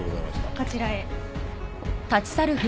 こちらへ。